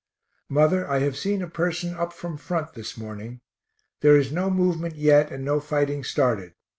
Mother, I have seen a person up from front this morning. There is no movement yet and no fighting started.